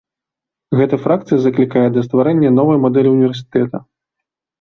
Гэта фракцыя заклікае да стварэння новай мадэлі універсітэта.